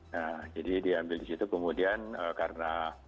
nah jadi diambil di situ kemudian karena